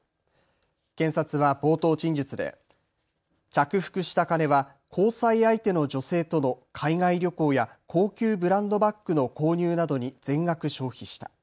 検察は冒頭陳述で着服した金は交際相手の女性との海外旅行や高級ブランドバッグの購入などに全額消費した。